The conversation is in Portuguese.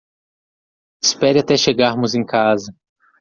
Espere até chegarmos em casa.